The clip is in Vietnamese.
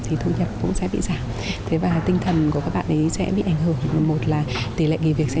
thì thu nhập cũng sẽ bị giảm thế và tinh thần của các bạn ấy sẽ bị ảnh hưởng một là tỷ lệ nghỉ việc sẽ